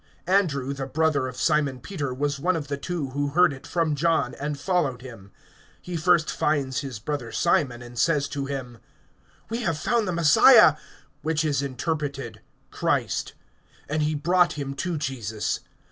(40)Andrew, the brother of Simon Peter, was one of the two who heard it from John, and followed him. (41)He first finds his brother Simon, and says to him: We have found the Messiah, which is interpreted, Christ. (42)And he brought him to Jesus.